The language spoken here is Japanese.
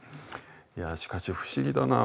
いやしかし不思議だな。